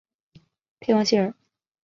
佩旺谢尔。